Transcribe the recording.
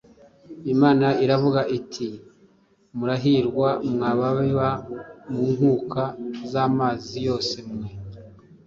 Imana iravuga iti, ” Murahirwa, mwa babiba mu nkuka z’amazi yose mwe.”